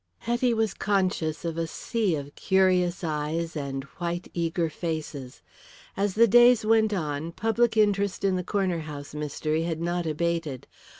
Hetty was conscious of a sea of curious eyes and white, eager faces. As the days went on public interest in the Corner House mystery had not abated.